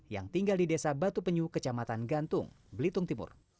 yang tinggal di desa batu penyu kecamatan gantung belitung timur